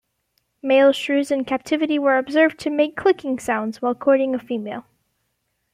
Male shrews in captivity were observed to make clicking sounds while courting a female.